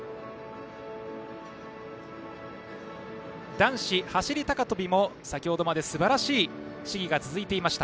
男子走り高跳びも先程まですばらしい試技が続いていました。